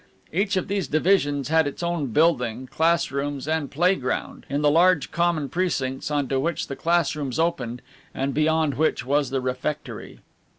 Each of these divisions had its own building, classrooms, and play ground, in the large common precincts on to which the classrooms opened, and beyond which was the refectory.